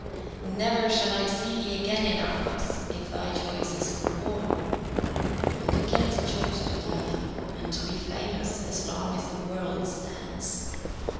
Never shall I see thee again in Argos if thy choice is for war." But Achilles chose to die young, and to be famous as long as the world stands.